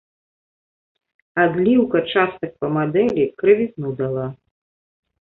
Адліўка частак па мадэлі крывізну дала.